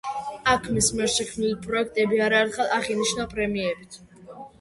აქ მის მიერ შექმნილი პროექტები არაერთხელ აღინიშნა პრემიებით.